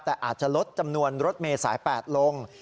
แต่อาจจะลดจำนวนรถเมย์สาย๘ลง